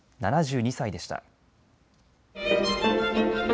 ７２歳でした。